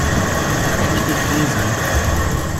Darf ich die Fee sein?